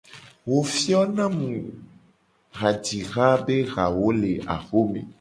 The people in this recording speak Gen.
Wo fio na mu hajiha be hawo le axome.